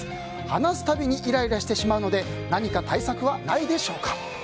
話す度にイライラしてしまうので何か対策はないでしょうか。